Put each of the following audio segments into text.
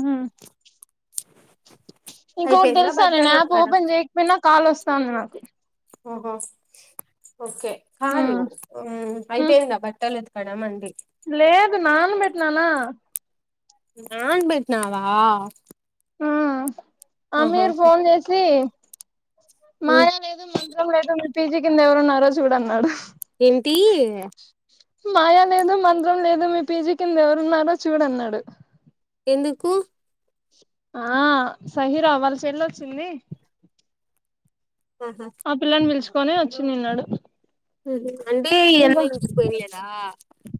ఆ ఇంకొకటి అయిపోయిందా తెలుసా నేను బట్టలు యాప్ ఉతకడం ఓపెన్ చేయకపోయినా కాల్ వస్ స్తాంది నాకు. ఓహో ఓకే కాదు హ్ అయిపోయిందా పట్టాలది. కడ మంది లేదు నానబెట్టినానా నాన్ బెట్నావా ఆ అమీర్ ఫోన్ చేసి మ్మ్ మాయా లేదు, మంత్రం లేదు [inaudible] పీజీ కింద ఎవరున్నారో చూడు అన్నాడు. ఏంటీ మాయా లేదు మంత్రం లేదు మీ పీజీ కింద ఎవరున్నారో చూడు అన్నాడు. ఎందుకు? ఆ సహీరా వాళ్ళ చెల్లోచ్చింది ఆహా ఆ పిల్లన్ పీల్చు కొనే వచ్చిదిన్నాడు తెలిదు అంటే ఈ అమ్మాయిని ఇంటికి పోయినియడా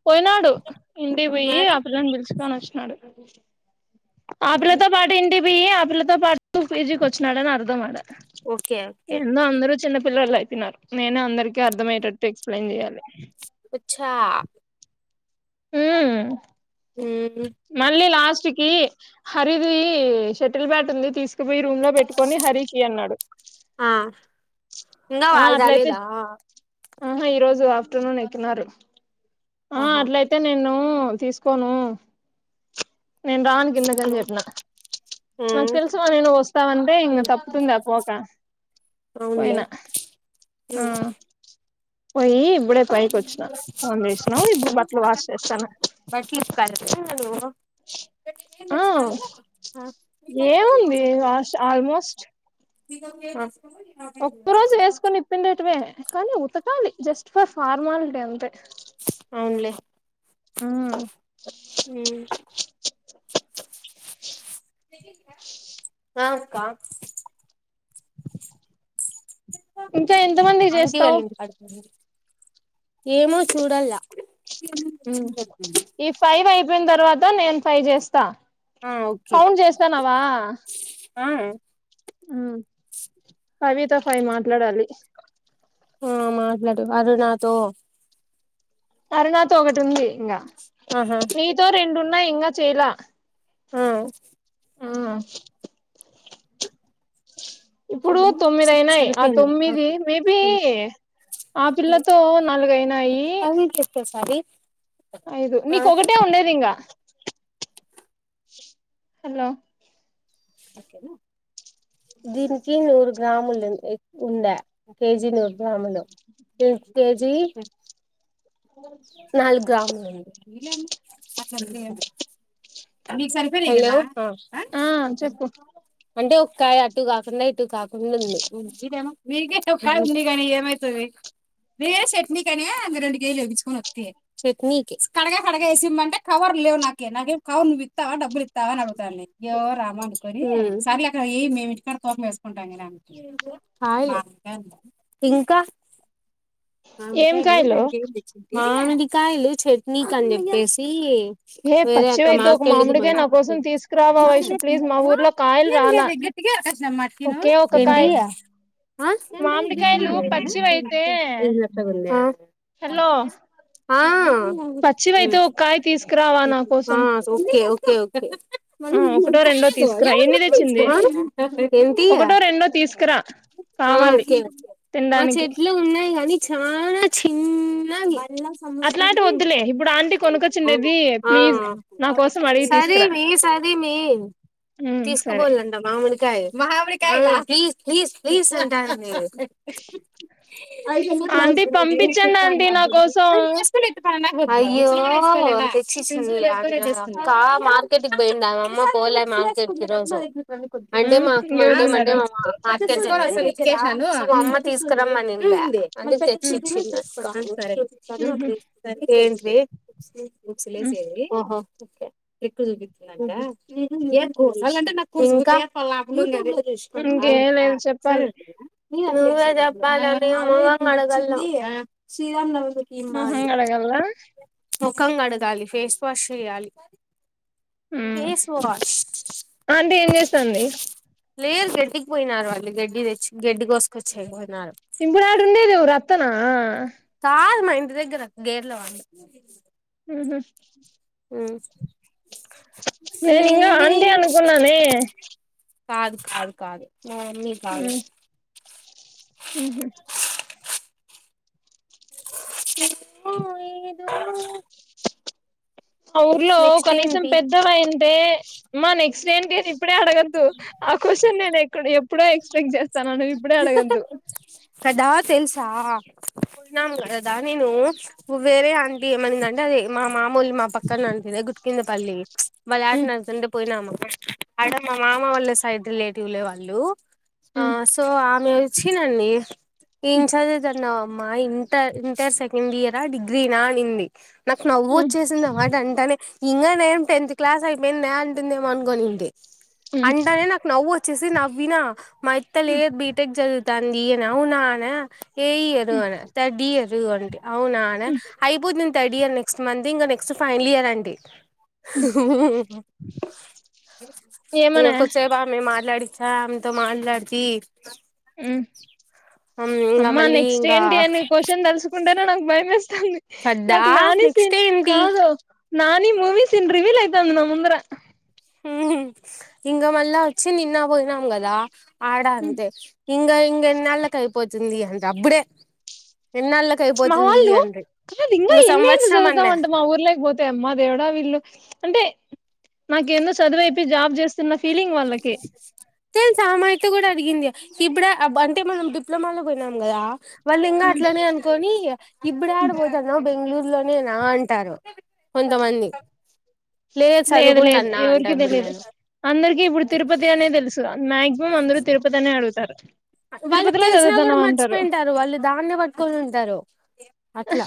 పోయినాడు ఇంటికీ పోయ్యి ఆ పిల్లన్ పిల్చుకొనో వచ్చినాడు ఆ పిల్ల ఉహు. తో పాటు ఇంటి పై ఆపిల్లతో పాటు పీజీకొచ్చినాడని అర్థం ఆడ ఓకే ఓకే ఏందో అందరూ చిన్న పిల్లలు అయిపోయిన్నారు నేనేందరికి అర్థమయ్యటట్టు ఎక్స్ప్లెయిన్ చేయాలి అచ్చా హు మ్మ్ మళ్ళీ లాస్ స్ట్ కి హరిది షటిల్ బ్యాట్ ఉంది తీస్ స్క పోయి రూమ్ లో పెట్టుకొని హరికియ్యన్నాడు ఇంకా వాళ్ళు రాలేదా ఆహా ఈ రోజు ఆఫ్టర్నూన్ ఎక్కినరు ఆ ఆహా అట్లైతే నేను ను తీసుకోను నేను రాను కిందకని చెప్పిన నాకు మ్మ్ తెలుసు మని నువ్వొస్తవంటే ఇంగ తప్పుతుంది ఆ పోక అవునులే పోయినా ఆ మ్మ్ పోయ్యి ఇప్పుడే పైకి వచ్చినా ఫోన్ చేసినావ్ ఇప్పుడు బట్టలు వాష్ చేస్తన చ్చ ఏముంది వాష్ ఆల్మోస్ట్ మీ మా ఆ ఒక్క రోజు వేసుకొని ఇప్పిండేటివే కానీ ఉతకాలి జస్ స్ట్ ఫార్మాలిటీ అంతె అవునులే హు ఆ కా ఇంకా ఎంత మందికి ఆంటీ చేస్తావు వాళ్ళ ఇంటి కాడికి ఏమో చూడల్లా ఉ ఈ ఫై వై పోయిన తర్వాత నేను ఫ్రై చేస్తా ఆ ఓకే కౌంట్ చేస్తానావా ఆ ఆ కవితో ఫవి మాట్లాడాలి ఆ మాట్లాడు అరుణతో అరునాత ఒకటి ఉంది ఆహా నీతో రెండున్న ఎంకా చేయలా ఆ ఆ ఇప్పుడు తొమ్మిది అయినాయి ఆ సరిపోయింది తొమ్మిది మేబి ఆ పిల్లతో నాలుగయినాయి అవి చెప్పేసారి అఐదు ఆ నీక ఒకటే ఉండేది ఇంకా హలో ఓకేనా దీినకఊరు గ్రాములు ఉండ కేజీ నూరు గ్రాములు కేజీ నాలుగు గ్రాములు ఉడి ఇ అ సంత న సరిపో ఓ ఆ చెప్పు అంటే ఒకకాయ అటు కాకుండా ఇటు కాకుండా ఉల్ంచిీరేనా మీక చ చట్నీ కాని ఏమవుతుంది నవే చట్నీ కాని అ రెండు కేజీలు వేయించుకొని వస్తా చట్నీ కడగా కడగ వేసి ఇమ్మంటే కవర్ లేవు నాకే నాకేం కవర్ నువ్వు ఇస్తావా డబ్బులు ఇస్తావా అని అడుతా ఏవో రామ అనుకోని సర అక్కడ ఏ మేము ఇకాడ తోప వేసుకుంటాంలా ఇంకా ఏం మామిడికాయలు కాయలు రెండు కేజి మావిడి కాయలు చట్నీక అని చెప్పేసి ఏ వేరే అక్క మా పచ్చివైతే ఒక మామిడికాయ నా కోసం తీసుకురావా వైషు ప్లీజ్ మా ఊర్లో [unintelligible] కాయలు రాలా ఒకే ఒక ఏంటి కాయ మామిడికాయలు పచ్చివైతే [inaudible] ఆా పచ్చివి అయితే ఒక కాయ తీసుకు ఆ ఓకే ఓ కే ఒకే ఆ ఒకటో రెండో తీసుకురా ఎన్ని తెచ్చింది ఏంటి ఒకటో రెండో తీసుకురా కావాలి ఓకే మా తినడానికి చెట్లో ఉన్నాయి కాని చాలా చిన్న అ అట్లాంటి వద్దులే ఇప్పుడు ఆంటీ కొనుకొచ్చిండేది ఆ ప్లీజ్ నా కోసం అడిగి సరే తీసుకురా మే సరే మే ఉమ్ సరే తీసుకుపోవాలంట మామ ని కాయ్ మామిడికాయలా ప్లీజ్ ప్లీజ్ ప్లీజ్ అంటాంది [inaudible] అయ్యో ఆంటీ పంపించండి ఆంటీ నా కోసం కా మార్కెట్ కి పోయిందామె అమ్మ పోలే మార్కెట్ కి ఈ రోజు అంటే ఉమ్ మాకు ఇంకెవరు మండే మండే ఉన్నారు [inaudible] టోనసలీ [inaudible] ఉమ్ అమ్మ తీసుకురమ్మని టుంది అందుకు తెచ్చి ఉమ్ ఇచ్చింది ఉహు అక్క [inaudible] వే ఉమ్ ఓహో ఇంకా ఇంకేం అవునా లేదు చెప్పాలి సరే అ నువ్వే చెప్పాలి నేను మొఖం కడగాల మొహం కడగాల్ల ముఖం కడు ద్దాలి ఫేస్ వాష్ చెయ్యాలి ఆంటీ ఏం చేస్తాంది లేరు గెడ్డికి పోయినారు వాళ్ళు గెడ్డి తెచ్చి గెడ్డి కోసుకొచ్చేకి పోయి ఇప్పుడు ఆడుండేది ఎవరు అత్తనా ఆ కాదు మా ఇంటి దగ్గర గేర్లవాని ఊహూ ఉమ్ నేను ఇంకా ఆంటీ అనుకున్నానేే కాదు కాదు కాదు మా మమ్మీ కాదు ఉమ్ ఉహు ఓ ఏదో [inaudible] ఆ ఊర్లో నెక్స్ట్ కనీసం ఏంటి పెద్దవయుంటే మ్మా నెక్స్ట్ ఏంటి అని ఇప్పుడే అడగద్దు ఆ క్వషన్ నేను ఎక్కడ ఎప్పుడో ఎక్స్ పెక్ట్ చేస్తానా నువ్విప్పుడే అడగొద్దు తెల్సా పొయినాం గదా దా నేను వేరే అన్ డి ఏమనిందంటే అది మా మామూలు మా పక్కన ఆంటీ దే గుట్ట కింద పల్లీక్స్ వాళ్ళు యాట ఉమ్ నరుకుతుంటే పోయినాము ఆడ మా మామ వాళ్ళ సైడ్ రిలేటివ్లే వాళ్ళు ఆ ఉమ్ సో ఆమె వచ్చిదండి ఇన్ఛార్జ ఏదన్నా mind inter inter second year ఆ డిగ్రీనా అనింది నాకు నవ్వు ఉమ్ వచ్చేసింది ఆ మాట అంటానే ఇంగ నేేను టెన్త్ క్లాస్ అయిపోయిందా అంటుంది అనుకోనూంటి ఉమ్ అంటనేే నాకు నవ్వు వచ్చేసి నవ్వినా మా ఇత్తలే బీటెక్ జదువు తంది అని అవునానా ఏ ఇయర్ ఉమ్ అన్నా ధర్డ్ ఇయర్ ఇదుగో అంటి అవునానే ఉమ్ అయిపోద థడ్ ఇయర్ నెక్స్ట్ మంత్ ఇంకా నెక్స్ట్ ఫైనల్ ఇయర్ అండి ఉమ్ ఉహుహుహు ఏమనా మాట్లాడిచ్చా అమెతో మాట్లాడితే ఇంకా అమ్మా మళ్ళీ నెక్స్ట్ ఇంకా ఏంటి అని క్వశ్చన్ తెలుసుకుంటానే నాకు భయం వేస్త కదా నాకు నాని సే నెక్స్ట్ ఏంటి కాదు నాని మూవీస్న్ రివీల్ యవుతా అంది నా ముందర ఇంగ మళ్ళ వచ్చి నిన్న పోయినాం కదా ఆడ అంతే హింగ హింగ నల్ కైపోతే వస్తుంది అంటే అప్పుడే ఎన్నాళ్ళకి మా అయిపోతుంది వాళ్ళు అండ్రి అది ఇంకా ఇంగ ఎన్నియిలు సంవత్సరం చదువుతావు అన్నా అంట మా ఊర్ లేకపోతే అమ్మా దేవుడా వీళ్ళు అంటే నాకేందుో చదువే ఇ జాబ్ జె చిన్న ఫీలింగ్ వాళ్ళకి సామాయత కూడా అడిగింది ఇప్పుడ అంటే మనం డిప్లొమాలో పోయినాం కదా వాళ్ళు ఇంకా అట్లనే అనుకని ఇబ్ప్పుడే ఆడపోతారున్నా్ బెంగళూరు ఇలోనే నా అంటారు కొంతమంది లేదు చదువుకుంట లేదు అన్నా ఎవరికి అంటాప్పుడు తెలీదు నేను అందరికి ఇప్పుడు తిరుపతి అనే తెలుసురాను మా్యాక్సిమం అందరూ తిరుపతి అనే అడుగుతారు వాళ్ళకి తిరుపతిలో తెలిసినా కూడా చదువుతాన్నావ్ అంటారు మర్చిపోయింటారు వాళ్ళు దాన్ని పట్టుకొని ఉంటారు అట్లా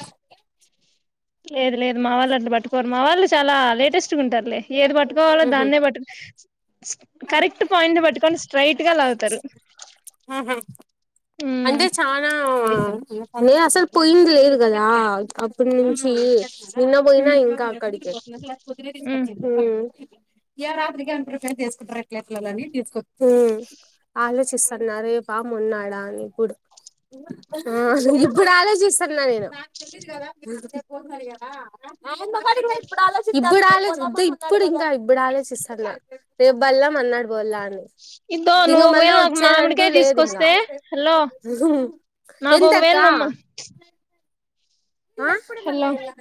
లేదు లేదు మా వాళ్ళు అంటని పట్టుకోరు మా వాళ్ళు చాలా లేటెస్ట్గా ఉంటారులే ఏది పట్టుకోవాలో ఉహు దాన్నే పట్టుకో కరెక్ట్ పాయింట్ బట్టుకని స్ట్రైట్ గా లావుతారు అంటే చనా నేే అసలు పోయింగ్లేరు కదా ఇప్పుడు నుంచి నిన్న పోయినా ఉమ్ ఇంకా అక్కడికి ఉమ్ ఏ రాత్రకి ఏ ప్రిపేర్సుకుంటారుల ఆలోచిస్తున్నే బా మొన్నాడా అని కుప్పుడు ఆ ఇప్పుడు ఆలోచిస్తున్నా నేను పోసరిగదా ఇప్పుడు ఇప్పుడుాల ఇప్పుడు ఇంకా ఇబ్ప్పుడు ఆలోచిస్తున్నా రేపు బల్లం మ అన్నాడు బలా అని ఇదో ఇంగ నువ్వు మళ్ళా ఒకవేళ నాకు మామిడికాయ తీసుకొస్తే అలా ఎంత అక్క నువ్వు ఆ కూడాడ మళ్ళ హలో ఎ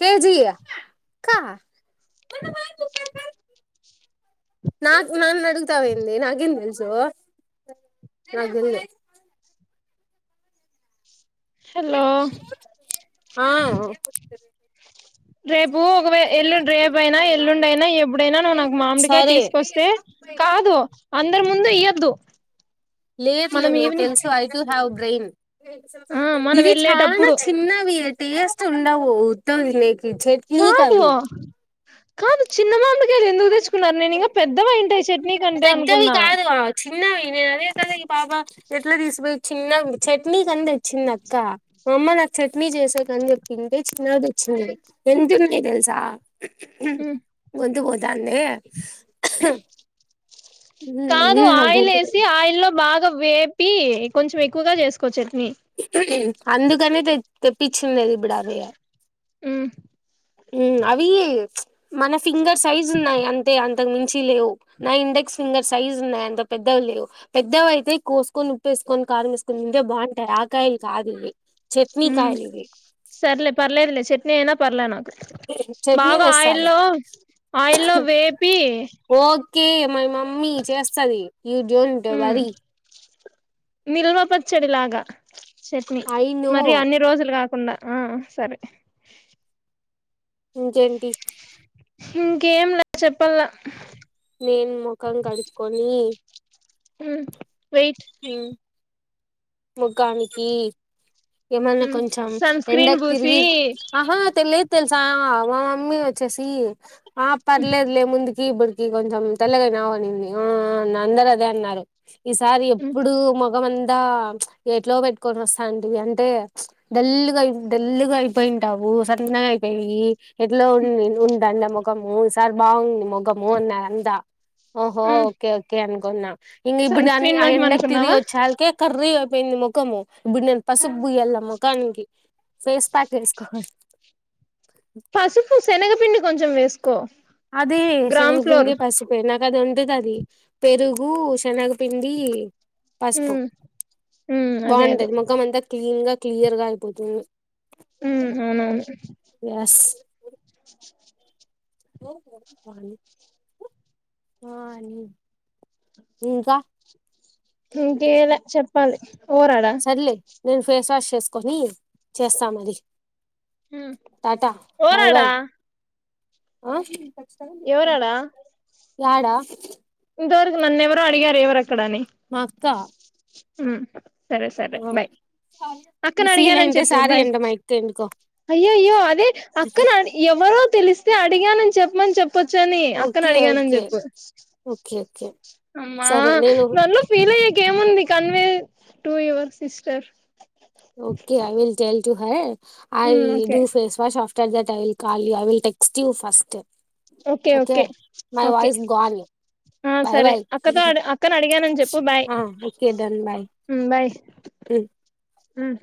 కేజయ కా నా నా అడుగుతాయింది నాకేం తెలుసు అ నాగంద హలో ఆ రేపు ఒకే ఎల్లు రేపుయినా ఎల్లుండి అయినా ఎప్పుడైనా నువ్వు నాకు మామిడికాయ సరే తీసుకొస్తే కాదు అందరు ముందు ఎద్దు లేయత్లే మీ తెల్సు ఆయతు హదు బ్రెన్ ఆ మనం ఇవి చాలా వెళ్ళేటప్పుడు చిన్నవి అ టేస్ట్ ఉండవు ఊద్ద ఇ చెట్ కాదు కవి కాదు చిన్న మామిమకి అది ఎందుకు తెచ్చుకున్నారు నేను ఇంకా పెద్దవ ఇంటాయి చట్నీ కంటే పెద్దవి అనుకున్నా కాదు చిన్నవి నేను అదే కదా ఈ పాప ఎట్లా తీసిపోయి చిన్న చట్నీ కంద వచ్చిందిక్క మా అమ్మ నాకు చట్నీ చేసేకని చెప్పింది చిన్నది వచ్చింది ఎంతన్నాయి తెలుసా వతు బ దాన్నే కాదు నా ఆయిల్ గొంతు వేసి ఆయిల్ లో బాగా వేపి కొంచెం ఎక్కువగా చేసుకోవచ్చు అందుకనే తెప్పించింది అది ఇప్పుడు అవియ్య ఆ అవి మన ఫింగర్ సైజ్ ఉన్నాయి అంతే అంతే ఇంతకు మించి లేవు నా ఇండెక్స్ ఫింగర్ సైజ్ ఉన్నాయి అంత పెద్దవి లేవు పెద్దవి అయితే కోసుకొని ఉప్పుేసుకొని కారం వేసుకొని నింటే బాగుంటాయి ఆకాయలు కాదు చట్నీ హ కాయలు ఇవి సర్లే పర్లేదలే చెట్ నేనా పర్లే నాకు చట్నీ బాగా తెస్తాలే ఆయిల్లో ఆయిల్లో వేపి కే ఎమఐమా మమ్ చేస్తుది డోట్ వరి నిల్మపచ్చడిలాగా చట్నీ ఐ నో మరి అన్ని రోజులు కాదు కుండా ఆ సరే జంటి ఇంకేం లే చెప్పావ నేన్ ముఖం కడుక్కోని మ్ ఉమ్. ముఖానికి ఏమన్నా ఉమ్ కొంచెం సన్ స్క్రీన్ ఎండకు పూసి తిరిగి ఆహా తెలిద్. తెలుసా మా మమ్మీ వచ్చేసి ఆ పర్లేద్ లే ముందు ఇ బడికి కొంచెం తెల్లగయి నవ్ అని ఒ అందరు అదే అన్నారు ఈసారి ఉమ్ ఇప్పుడు మా మొఖామంతా ఎట్లో పెట్టుకొని వస్తాంది అంతె డల్లుగా డల్లుగా అయిపోయింటావు సన్నగా అయిపోయి ఎట్లో ఉ ఉంటండి మొఖము ఈసారి బాగుంది మొఖము అన్నఅంతా ఓహో ఉమ్ ఓకే ఓకే అం కొన్న ఇన్ని సన్ ఇప్పుదాన్ని స్క్రీన్ మహిమ అయివుండె అనుకున్నావా తిరిగోచ్చాల్కె కర్రేగ. పోయింది ముఖము ఇప్పుడు నేను పసుపు బుయ్యళ ముఖానికి ఫేస్ ప్యాక్ వేసుకోవాలి. పసుపు, సెనగపిండి. కొంచెం వేసుకో. అదే గ్రామ్ సేనగ ఫ్లోర్ పిండి పసుపే నాక్ ఆహ్ ఉండది అది పెరుగు శనగ పిండీ పసుపు ఉమ్ ఉమ్ అదే అదే బాగుంటది ముఖం అంతా క్లీన్ గా. క్లియర్ గా అయిపోతుంది. ఉమ్ అవునవును. ఎస్ [inaudible] వాణి వాణి. ఇంకా. ఇంక్కేలా చెప్పాలి. ఓరాడా సర్లే లిఫ్ట్. ఫేస్ వాష్ చేసుకొని చేస్తాం అది. ఉమ్ పోరాడా. ఆహ్. స్థలం పెట్టుకుంట. యాడా. ఇదివరకు నన్నెవరో అడిగారు ఎవరాది. మా అక్క. ఉమ్. సరే సరే బాయ్ ఈ అక్కను ఫీల్ అడిగానని అంటే చెప్పు సారీ బాయ్. అంట మా అక్క ఎందుకో అయ్యో అయ్యో అదే అక్కను అడిగి ఎవరో తెలిస్తే అడిగానని చెప్పమని చెప్పు. కుచ్చోని అక్కను ఓకే అడిగానని ఓకే చెప్పు. ఓకే ఓకే అమ్మ సరే నేను నన్ను పిల్. ఇయడానికి ఏముంది convey to your sister. Okay I will tell. చు high. I um okay do face wash of that I call you. I will text you first. Okay okay my okay voice gone ah bye సరే bye అక్కతో ఆహ్ అక్కను అడిగానని చెప్పు bye okay done bye um bye. ఉమ్.